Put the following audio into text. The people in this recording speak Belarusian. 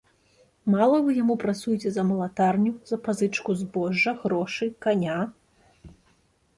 Мала вы яму працуеце за малатарню, за пазычку збожжа, грошы, каня?